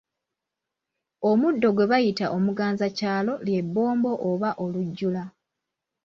Omuddo gwe bayita omuganzakyalo lye Bbombo oba Olujjula.